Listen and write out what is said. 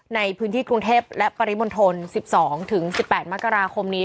ในพื้นที่กรุงเทพและปริมณฑล๑๒๑๘มกราคมนี้